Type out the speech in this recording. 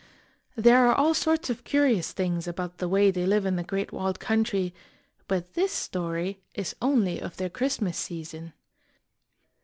There are all sorts of curious things about the way they live in The Great Walled Country, but this story is only of their Christmas season.